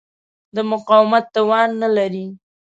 د مقاومت توان نه لري.